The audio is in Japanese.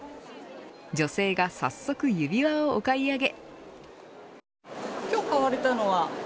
女性が早速指輪をお買い上げ。